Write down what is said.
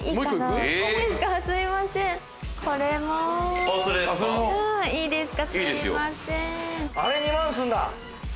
あれ２万すんだ！